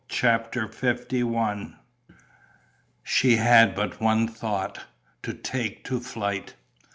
CHAPTER LI She had but one thought: to take to flight.